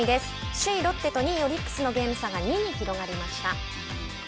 首位ロッテと２位オリックスとのゲーム差が２に広がりました。